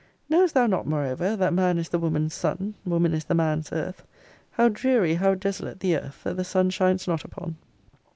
Knowest thou not moreover, that man is the woman's sun; woman is the man's earth? How dreary, how desolate, the earth, that the suns shines not upon!